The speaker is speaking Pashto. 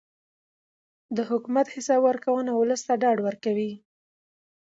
د حکومت حساب ورکونه ولس ته ډاډ ورکوي